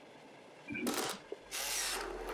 粘唐松草为毛茛科唐松草属下的一个种。